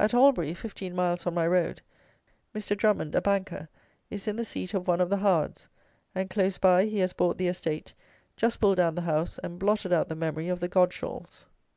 At Albury, fifteen miles on my road, Mr. Drummond (a banker) is in the seat of one of the Howards, and close by he has bought the estate, just pulled down the house, and blotted out the memory of the Godschalls.